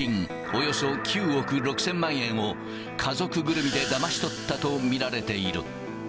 およそ９億６０００万円を家族ぐるみでだまし取ったと見られている。